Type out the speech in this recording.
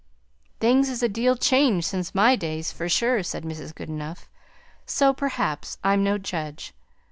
"Things is a deal changed since my days, for sure," said Mrs. Goodenough. "So, perhaps, I'm no judge.